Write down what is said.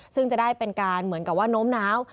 ซึ่งจะได้เป็นการเหมือนกับว่าโน้มน้าว